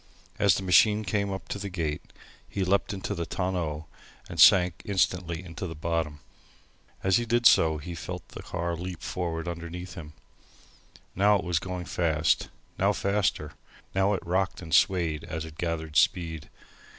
As the machine came up to the gate, he leapt into the tonneau and sank instantly to the bottom. As he did so he felt the car leap forward underneath him. Now it was going fast, now faster, now it rocked and swayed as it gathered speed.